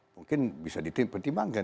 mungkin bisa dipertimbangkan